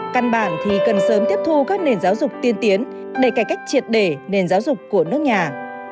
căn bản thì cần sớm tiếp thu các nền giáo dục tiên tiến để cải cách triệt đề nền giáo dục của nước nhà